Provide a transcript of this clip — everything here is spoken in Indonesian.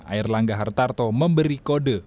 air langga hartarto memberi kode